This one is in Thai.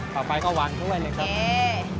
ต่อไปก็วางด้วยเลยครับ